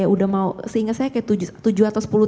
udah mau seinget saya kayak tujuh atau